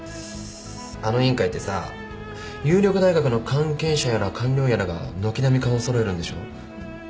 あの委員会ってさ有力大学の関係者やら官僚やらが軒並み顔を揃えるんでしょ？